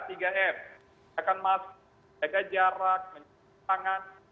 kita akan menjaga jarak menjaga tangan